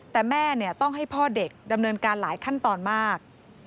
แต่แม่ต้องให้พ่อเด็กดำเนินการหลายขั้นตอนมาก